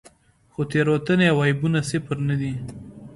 خو تېروتنې او عیبونه صفر نه دي.